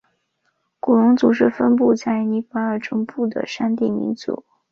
古隆族是分布在尼泊尔中部的山地民族。